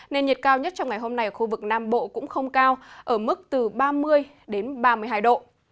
nên nhiệt cao nhất trong ngày hôm nay ở khu vực nam bộ cũng không cao ở mức từ ba mươi đến ba mươi hai độ